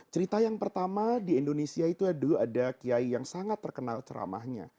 cerita yang pertama di indonesia itu dulu ada kiai yang sangat terkenal ceramahnya